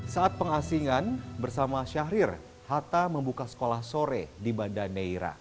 saat pengasingan bersama syahrir hatta membuka sekolah sore di banda neira